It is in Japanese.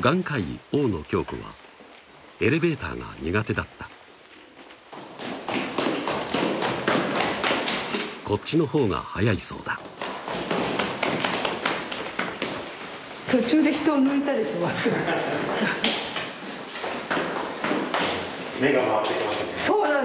眼科医・大野京子はエレベーターが苦手だったこっちのほうが早いそうだ目が回ってきますねそうなんですよ